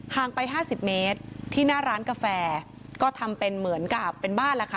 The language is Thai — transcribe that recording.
งไป๕๐เมตรที่หน้าร้านกาแฟก็ทำเป็นเหมือนกับเป็นบ้านล่ะค่ะ